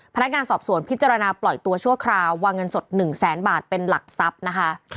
พนักงานสอบสวนพิจารณาปล่อยตัวชั่วคราววางเงินสด๑แสนบาทเป็นหลักทรัพย์นะคะ